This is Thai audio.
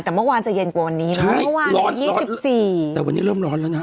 แต่เมื่อวานจะเย็นกว่าวันนี้แล้วเมื่อวาน๒๔วันนี้เริ่มร้อนแล้วนะ